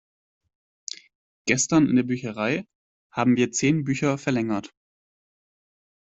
Gestern in der Bücherei haben wir zehn Bücher verlängert.